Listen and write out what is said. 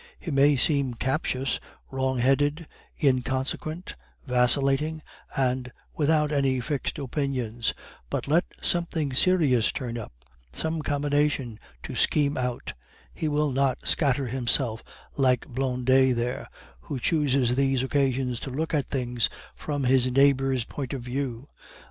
He may seem captious, wrong headed, inconsequent, vacillating, and without any fixed opinions; but let something serious turn up, some combination to scheme out, he will not scatter himself like Blondet here, who chooses these occasions to look at things from his neighbor's point of view.